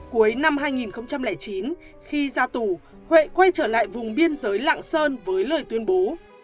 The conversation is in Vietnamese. cuối năm hai nghìn chín khi ra tù huệ quay trở lại vùng biên giới lạng sơn với lời tuyên bố